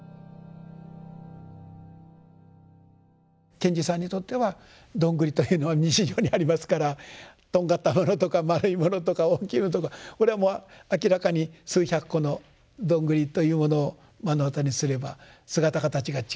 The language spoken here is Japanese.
賢治さんにとってはどんぐりというのは日常にありますからとんがったものとか丸いものとか大きいのとかこれはもう明らかに数百個のどんぐりというものを目の当たりにすれば姿形が違う。